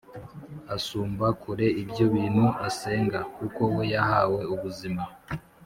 Asumba kure ibyo bintu asenga, kuko we yahawe ubuzima,